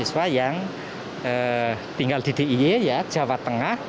mahasiswa yang tinggal di dii jawa tengah